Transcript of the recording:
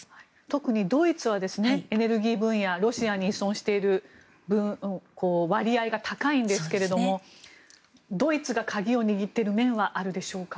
特にドイツはエネルギー分野でロシアに依存している割合が高いんですけどもドイツが鍵を握っている面があるでしょうか。